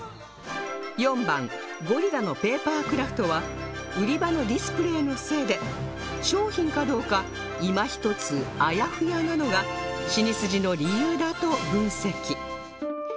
４番ゴリラのペーパークラフトは売り場のディスプレイのせいで商品かどうかいま一つあやふやなのがシニスジの理由だと分析